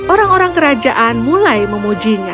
orang orang kerajaan mulai memuji nya